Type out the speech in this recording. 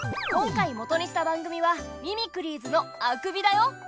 今回もとにした番組は「ミミクリーズ」の「あくび」だよ。